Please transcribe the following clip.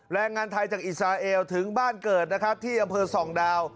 แรงงานไทยจากอิสราเอลถึงบ้านเกิดนะครับที่อำเภอส่องดาว